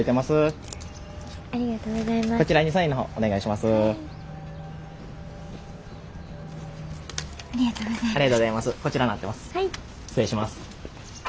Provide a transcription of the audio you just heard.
失礼します。